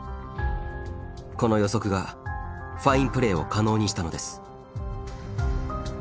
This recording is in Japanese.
この予測がファインプレーを可能にしたのです。